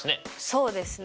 そうですね。